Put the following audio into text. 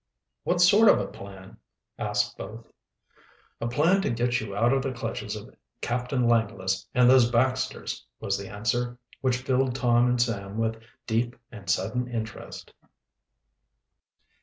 "What sort of a plan?" asked both. "A plan to get you out of the clutches of Captain Langless and those Baxters," was the answer, which filled Tom and Sam with deep and sudden interest.